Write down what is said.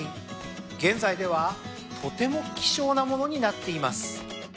現在ではとても希少なものになっています。